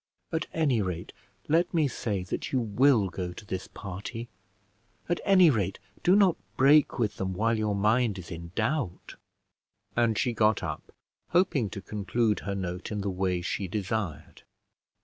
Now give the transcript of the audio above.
"At any rate let me say that you will go to this party. At any rate do not break with them while your mind is in doubt." And she got up, hoping to conclude her note in the way she desired.